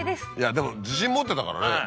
でも自信持ってたからね。